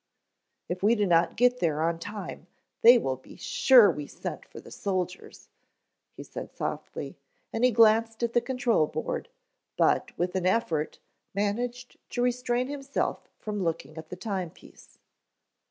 "If we do not get there on time they will be sure we sent for the soldiers," he said softly, and he glanced at the control board, but with an effort managed to restrain himself from looking at the time piece.